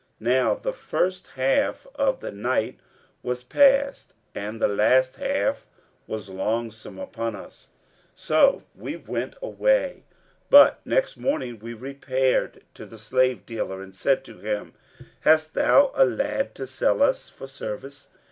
Now the first half of the night was past and the last half was longsome upon us, so we went away; but next morning, we repaired to the slave dealer and said to him, 'Hast thou a lad to sell us for service?'